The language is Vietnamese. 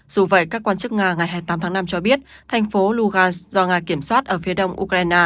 dù vậy các quan chức nga ngày hai mươi tám tháng năm cho biết thành phố lugas do nga kiểm soát ở phía đông ukraine